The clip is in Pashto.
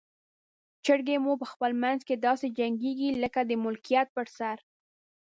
چرګې مو په خپل منځ کې داسې جنګیږي لکه د ملکیت پر سر.